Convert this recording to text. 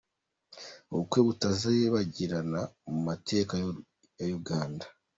Ubukwe butazibagirana mu mateka ya Uganda.